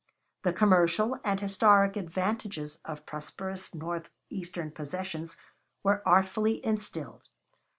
The commercial and historic advantages of prosperous northeastern possessions were artfully instilled.